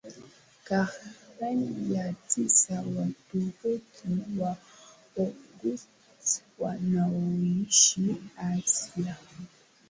karne ya tisa Waturuki wa Oghuz wanaoishi Asia